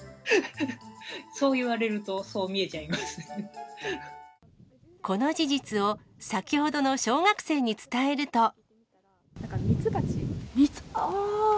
そう言われると、そう見えちこの事実を先ほどの小学生に伝えると。